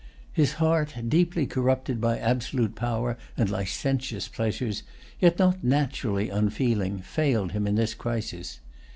His heart, deeply corrupted by absolute power and licentious pleasures, yet not naturally unfeeling, failed him in this crisis.